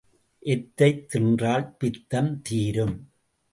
எத்தைத் தின்றால் பித்தம் தீரும்?